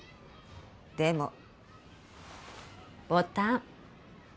でもボタン。